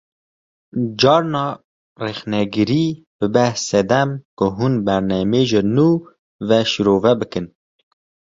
Carna rexnegirî dibe sedem ku hûn berhemê ji nû ve şîrove bikin